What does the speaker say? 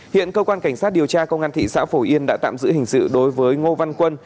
hiện cơ quan cảnh sát điều tra công an thị xã phổ yên đã tạm giữ hình sự đối với ngô văn quân